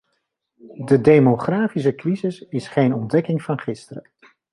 De demografische crisis is geen ontdekking van gisteren.